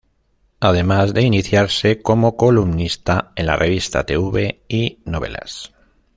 Además de iniciarse como columnista en la revista Tv y Novelas.